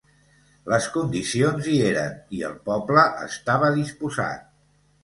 Les condicions hi eren i el poble estava disposat.